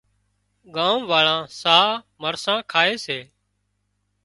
ڳام واۯان ساهََه مرسان کائي سي